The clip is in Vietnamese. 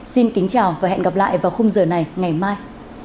xin kính chào và hẹn gặp lại vào khung giờ này ngày mai